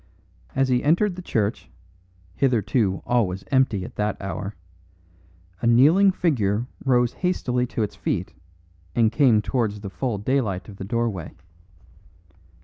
As he entered the church, hitherto always empty at that hour, a kneeling figure rose hastily to its feet and came towards the full daylight of the doorway.